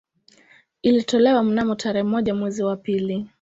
Ilitolewa mnamo tarehe moja mwezi wa pili